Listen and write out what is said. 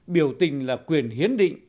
biểu tình là quyền hiến định